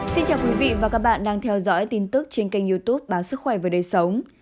xin chào quý vị và các bạn đang theo dõi tin tức trên kênh youtube báo sức khỏe và đời sống